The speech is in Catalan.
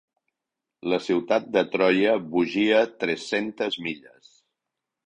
La ciutat de Troia vogia tres-centes milles.